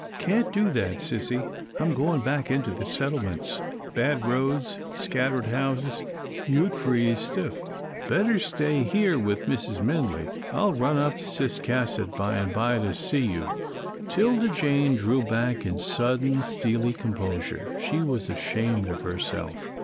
"Can't do that, sissy. I'm going back into the settlements bad roads, scattered houses. You'd freeze stiff. Better stay here with Mrs. Minley. I'll run up to Ciscasset by and by to see you." 'Tilda Jane drew back in sudden, steely composure. She was ashamed of herself.